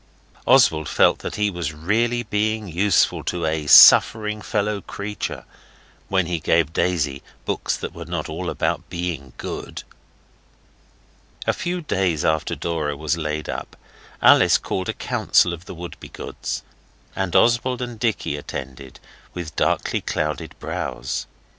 Oswald felt that he was really being useful to a suffering fellow creature when he gave Daisy books that were not all about being good. A few days after Dora was laid up, Alice called a council of the Wouldbegoods, and Oswald and Dicky attended with darkly clouded brows.